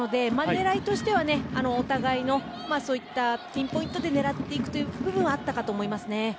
狙いとしてはお互いのピンポイントで狙っていくという部分はあったかと思いますね。